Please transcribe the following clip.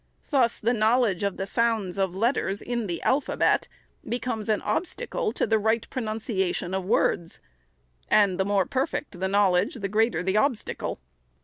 Thus the knowledge of the sounds of letters in the alphabet becomes an obstacle to the right pronunciation of words ; and the more perfect the knowledge, the greater the obstacle.